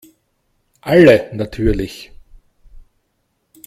Alle natürlich.